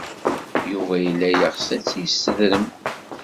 Yuba yella yeɣs ad tt-yessedrem.